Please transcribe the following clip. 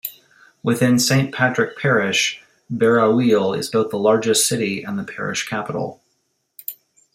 Within Saint Patrick Parish Barrouallie is both the largest city and the parish capital.